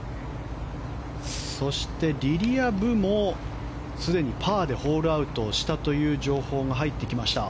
そして、リリア・ブもすでにパーでホールアウトしたという情報が入ってきました。